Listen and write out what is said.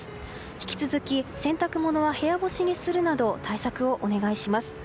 引き続き洗濯物は部屋干しにするなど対策をお願いします。